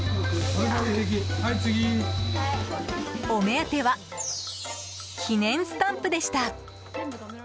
お目当ては記念スタンプでした。